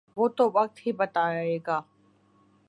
وہ تو وقت ہی بتائے گا۔